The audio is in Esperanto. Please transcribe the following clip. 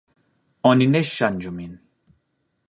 "Oni ne ŝanĝu min."